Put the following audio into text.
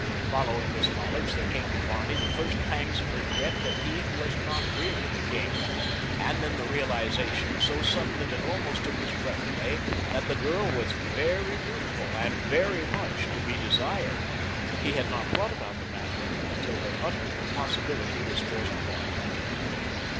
Following this knowledge there came to Barney the first pangs of regret that he was not really the king, and then the realization, so sudden that it almost took his breath away, that the girl was very beautiful and very much to be desired. He had not thought about the matter until her utter impossibility was forced upon him.